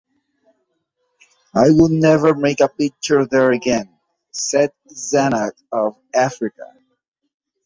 "I would never make a picture there again," said Zanuck of Africa.